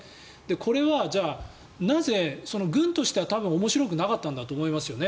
これはなぜ軍としては面白くなかったんだと思いますよね。